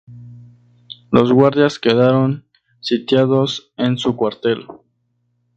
Los guardias quedaron sitiados en su cuartel.